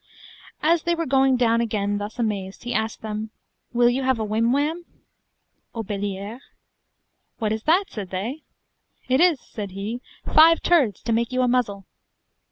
As they were going down again thus amazed, he asked them, Will you have a whimwham (Aubeliere.)? What is that, said they? It is, said he, five turds to make you a muzzle.